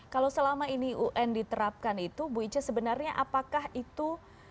kalau selama ini un diterapkan itu bu ice sebenarnya apakah itu